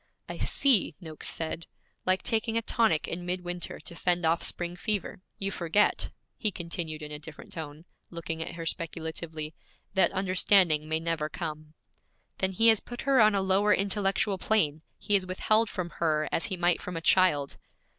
'I see,' Noakes said; 'like taking a tonic in midwinter to fend off spring fever. You forget,' he continued in a different tone, looking at her speculatively, 'that understanding may never come.' 'Then he has put her on a lower intellectual plane; he has withheld from her, as he might from a child.'